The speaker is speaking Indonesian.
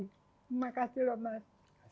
terima kasih loh mas